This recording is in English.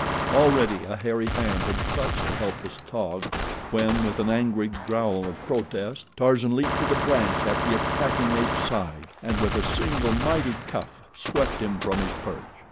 Already a hairy hand had clutched the helpless Taug when, with an angry growl of protest, Tarzan leaped to the branch at the attacking ape's side, and with a single mighty cuff, swept him from his perch.